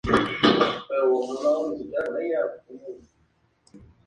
Mientras tanto, Bosón huyó a Provenza.